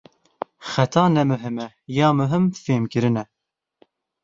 Xeta ne muhîm e, ya muhîm fêmkirin e.